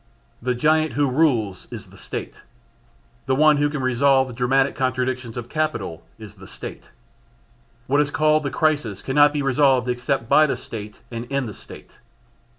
The giant who rules is the State. The one who can resolve the dramatic contradictions of capital is the State. What is called the crisis cannot be resolved except by the State and in the State.